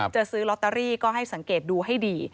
จะซื้อลอตเตอรี่ก็ให้สังเกตดูให้ดี